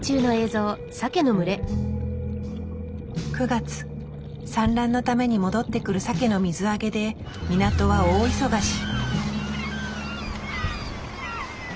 ９月産卵のために戻ってくるサケの水揚げで港は大忙し。